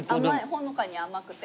ほのかに甘くて。